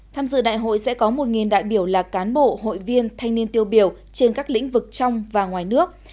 tham dự đại hội sẽ có một đại biểu là cán bộ hội viên thanh niên tiêu biểu trên các lĩnh vực trong và ngoài nước